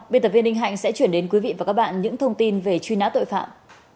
biên tập viên ninh hạnh sẽ chuyển đến quý vị và các bạn những thông tin về truy nã tội phạm